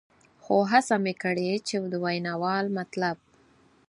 خو هڅه مې کړې چې د ویناوال مطلب.